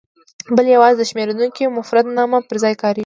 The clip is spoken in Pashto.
بل یوازې د شمېرېدونکي مفردنامه پر ځای کاریږي.